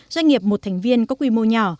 doanh nghiệp một thành viên có quy mô nhỏ